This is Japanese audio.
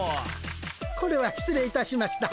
これは失礼いたしました。